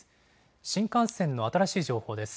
新幹線の新しい情報です。